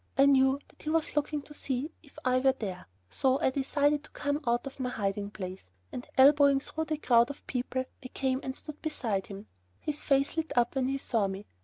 I knew that he was looking to see if I were there, so I decided to come out of my hiding place, and elbowing through the crowd of people, I came and stood beside him. His face lit up when he saw me.